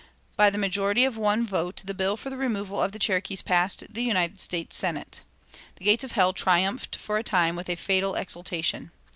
By the majority of one vote the bill for the removal of the Cherokees passed the United States Senate. The gates of hell triumphed for a time with a fatal exultation.